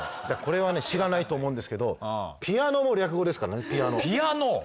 じゃあこれは知らないと思うんですけどピアノも略語ですからねピアノ。